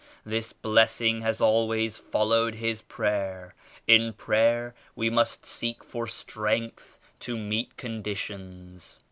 This blessing has always followed his prayer. In prayer we must seek for strength to meet conditions."